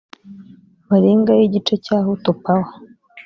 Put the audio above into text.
baringa y igice cya hutu pawa